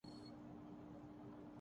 کاندھوں پہ غم کی شال ہے اور چاند رات ہ